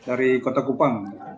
dari kota kupang